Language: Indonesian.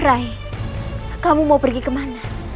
rai kamu mau pergi kemana